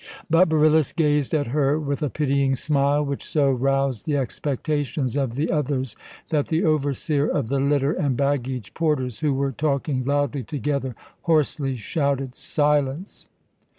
But Beryllus gazed at her with a pitying smile, which so roused the expectations of the others that the overseer of the litter and baggage porters, who were talking loudly together, hoarsely shouted, "Silence!"